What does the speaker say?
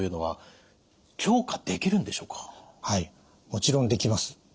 もちろんできます。